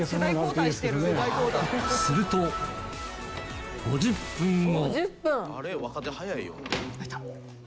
「すると５０分後」